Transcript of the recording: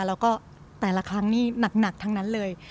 แล้วก็แต่ละครั้งนี่หนักทั้งนั้นเลย